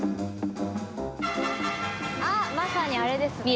あっまさにあれですね。